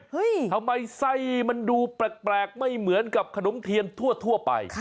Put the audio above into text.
ทำไมไส้มันดูแปลกไม่เหมือนกับขนมเทียนทั่วไป